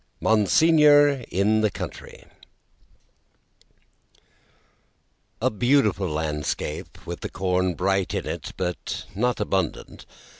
Monseigneur in the Country A beautiful landscape, with the corn bright in it, but not abundant.